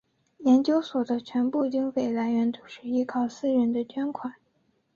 研究所的全部经费来源都是依靠私人的捐款。